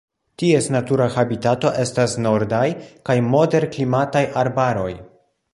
Ties natura habitato estas nordaj kaj moderklimataj arbaroj.